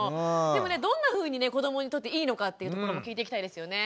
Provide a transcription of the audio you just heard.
でもどんなふうにね子どもにとっていいのかっていうところも聞いていきたいですよね。